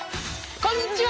こんにちは！